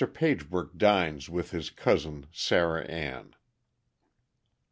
Pagebrook Dines with his Cousin Sarah Ann.